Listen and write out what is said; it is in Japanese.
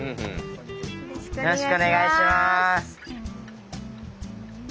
よろしくお願いします。